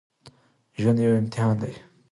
ژوند يو امتحان دی